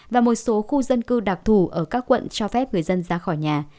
và một số khu dân cư đặc thù ở các quận cho phép người dân ra khỏi nhà